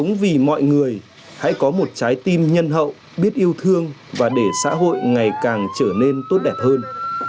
chúng vì mọi người hãy có một trái tim nhân hậu biết yêu thương và để xã hội ngày càng trở nên tốt đẹp hơn